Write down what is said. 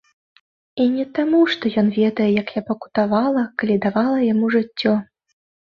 І не таму, што ён ведае, як я пакутавала, калі давала яму жыццё.